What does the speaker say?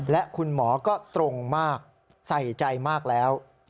และคุณหมอก็ตรงมากใส่ใจมากแล้ว